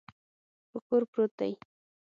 په کور پروت دی.